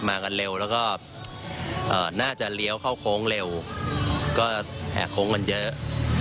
มากันเร็วแล้วก็น่าจะเลี้ยวเข้าโค้งเร็วก็แห่โค้งกันเยอะ